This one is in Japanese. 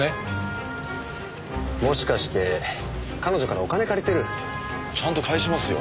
もしかして彼女からお金借りてる？ちゃんと返しますよ。